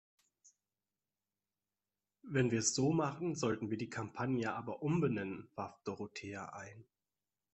Wenn wir es so machen, sollten wir die Kampagne aber umbenennen, warf Dorothea ein.